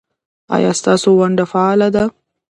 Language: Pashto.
ایا ستاسو ونډه فعاله ده؟